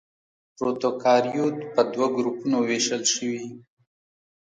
پروکاريوت په دوه ګروپونو وېشل شوي.